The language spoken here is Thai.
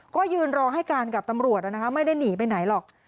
ก็ยืนรอให้การกับตำรวจนะคะไม่ได้หนีไปไหนหรอก